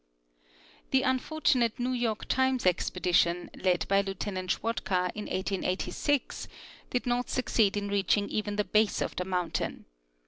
The unfortunate New York Times expedition, led hy Lieu tenant Schwatka in 1886, did not succeed in reaching even the ' base of the mountain.